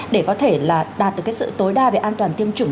để có thể đạt được sự tối đa về an toàn tiêm chủng